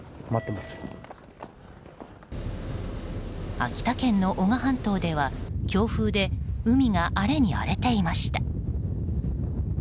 秋田県の男鹿半島では強風で海が荒れに荒れていました。